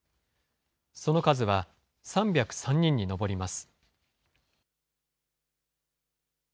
その数は３０３人に上ります。